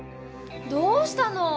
どうしたの？